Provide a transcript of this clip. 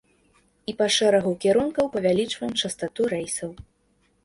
І па шэрагу кірункаў павялічваем частату рэйсаў.